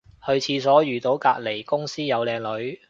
去廁所遇到隔離公司有靚女